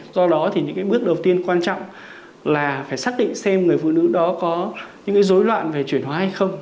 do đó thì những cái bước đầu tiên quan trọng là phải xác định xem người phụ nữ đó có những cái dối loạn về chuyển hóa hay không